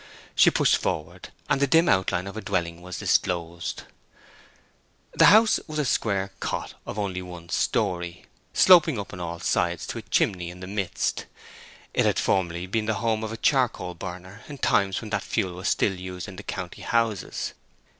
She pushed forward, and the dim outline of a dwelling was disclosed. The house was a square cot of one story only, sloping up on all sides to a chimney in the midst. It had formerly been the home of a charcoal burner, in times when that fuel was still used in the county houses.